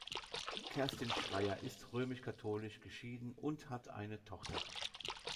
Kerstin Schreyer ist römisch-katholisch, geschieden und hat eine Tochter.